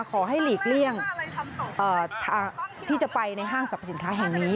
หลีกเลี่ยงที่จะไปในห้างสรรพสินค้าแห่งนี้